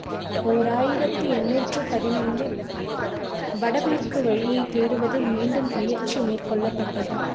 ஓர் ஆயிரத்து எண்ணூற்று பதினைந்து இல் வட மேற்கு வழியைத் தேடுவதில் மீண்டும் முயற்சி மேற்கொள்ளப்பட் டது.